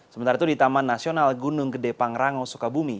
sementara itu di taman nasional gunung gede pangrango sukabumi